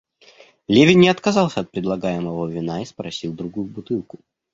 Левин не отказался от предлагаемого вина и спросил другую бутылку.